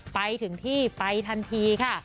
ไปถึงที่ไปทันทีค่ะ